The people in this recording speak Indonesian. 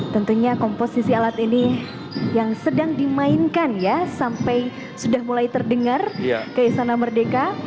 tentunya komposisi alat ini yang sedang dimainkan ya sampai sudah mulai terdengar ke istana merdeka